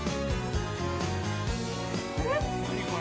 何これ？